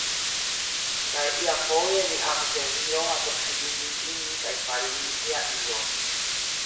Kaj iafoje li havis deziron alproksimigi lin kaj fari lin sia ilo.